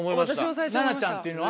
奈々ちゃんっていうのは？